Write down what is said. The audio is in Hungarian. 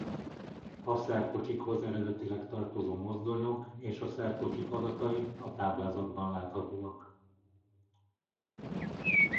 A szerkocsikhoz eredetileg tartozó mozdonyok és a szerkocsik adatai a táblázatban láthatóak.